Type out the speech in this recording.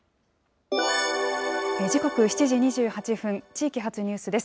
時刻７時２８分、地域発ニュースです。